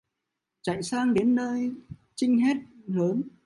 Chạy sang đến nơi chinh hét lớn